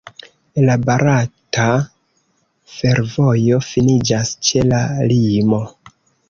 La barata fervojo finiĝas ĉe la limo.